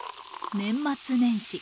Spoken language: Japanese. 年末年始